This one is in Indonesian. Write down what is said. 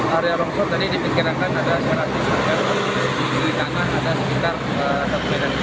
area longsor tadi dipikirkan ada secara disangka di jalan ada sekitar satu meter